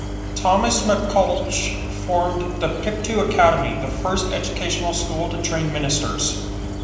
Thomas McCulloch formed the Pictou Academy, the first educational school to train ministers.